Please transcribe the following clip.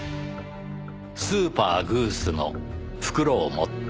スーパーグースの袋を持って。